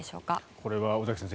これは尾崎先生